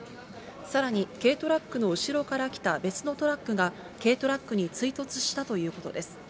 さらに、軽トラックの後ろから来た別のトラックが、軽トラックに追突したということです。